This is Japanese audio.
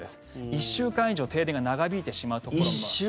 １週間以上、停電が長引いてしまうところも。